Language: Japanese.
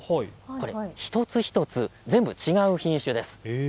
これは一つ一つ全部違う品種です。